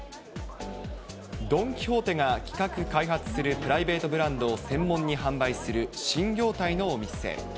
ドン・キホーテが企画・開発するプライベートブランドを専門に販売する新業態のお店。